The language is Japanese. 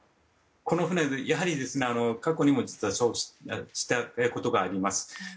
この船、やはり過去にも座礁したことがあります。